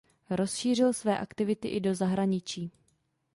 Rozšířil své aktivity i do zahraničí.